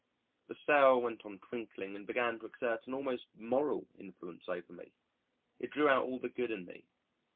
The sail went on twinkling and began to exert an almost moral influence over me. It drew out all the good in me.